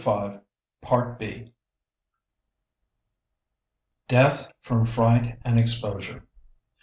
[Sidenote: Death from fright and exposure.